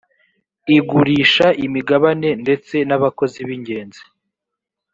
igurisha imigabane ndetse n abakozi b ingenzi